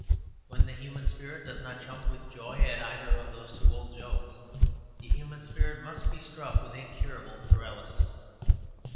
When the human spirit does not jump with joy at either of those two old jokes, the human spirit must be struck with incurable paralysis.